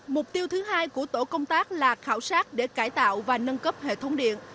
mục tiêu thứ hai của tổ công tác là khảo sát để cải tạo và nâng cấp hệ thống điện